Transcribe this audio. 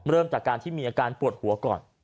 เริ่มจากการที่มีอาการปวดหัวก่อน